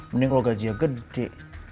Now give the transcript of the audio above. mendingan kalo gajinya gede